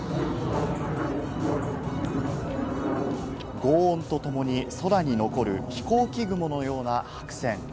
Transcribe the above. ごう音とともに空に残る、ひこうき雲のような白線。